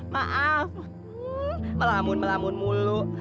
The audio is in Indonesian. maaf ngelamun ngelamun mulu